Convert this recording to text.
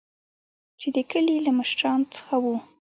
چې د کلي له مشران څخه وو.